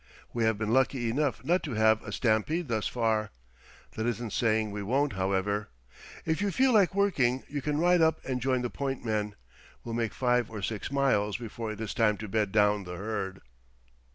We have been lucky enough not to have a stampede thus far. That isn't saying we won't, however. If you feel like working you can ride up and join the point men. We'll make five or six miles before it is time to bed down the herd."